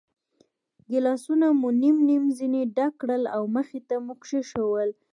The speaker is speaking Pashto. ګیلاسونه مو نیم نیم ځنې ډک کړل او مخې ته مو کېښوول.